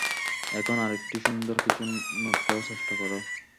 এখন আরেকটি সুন্দর কিছু নোট করার চেষ্টা কর।